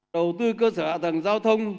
đầu tư cơ sở hạ tầng giao thông